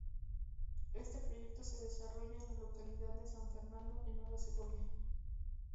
Este proyecto se desarrolla en la localidad de San Fernando en Nueva Segovia.